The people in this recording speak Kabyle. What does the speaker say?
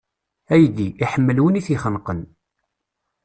Aydi, iḥemmel win i t-ixenqen.